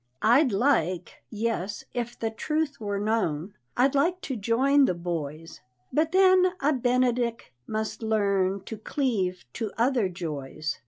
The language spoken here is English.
I'd like, yes, if the truth were known, I'd like to join the boys, But then a Benedick must learn To cleave to other joys.